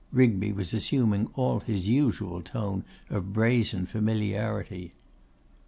Rigby was assuming all his usual tone of brazen familiarity.